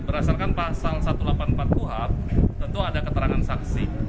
berasalkan pasal seribu delapan ratus empat puluh h tentu ada keterangan saksi